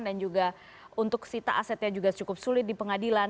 dan juga untuk sita asetnya juga cukup sulit di pengadilan